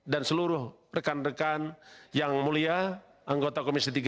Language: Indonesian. dan seluruh rekan rekan yang mulia